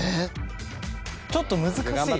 ちょっと難しい。